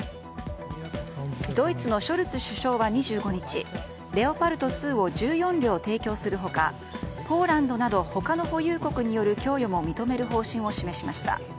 ドイツのショルツ首相は２５日レオパルト２を１４両提供する他ポーランドなど他の保有国による供与も認める方針を示しました。